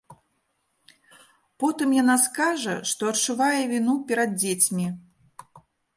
Потым яна скажа, што адчувае віну перад дзецьмі.